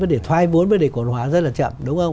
vấn đề thoai vốn vấn đề cổ phần hóa rất là chậm